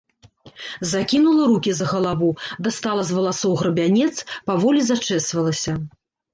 Закінула рукі за галаву, дастала з валасоў грабянец, паволі зачэсвалася.